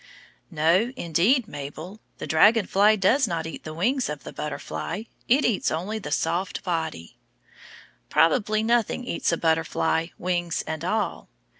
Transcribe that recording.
No, indeed, Mabel, the dragon fly does not eat the wings of the butterfly, it eats only the soft body. Probably nothing eats a butterfly, wings and all.